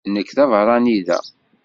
Nekk d abeṛṛani da.